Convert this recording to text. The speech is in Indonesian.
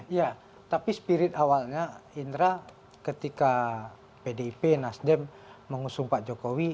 iya tapi spirit awalnya indra ketika pdip nasdem mengusung pak jokowi